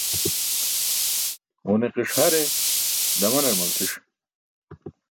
Ġuniqiṣ hare damanar malci̇ṣ.